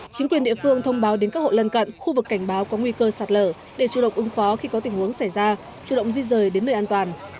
chính quyền địa phương thông báo đến các hộ lân cận khu vực cảnh báo có nguy cơ sạt lở để chủ động ứng phó khi có tình huống xảy ra chủ động di rời đến nơi an toàn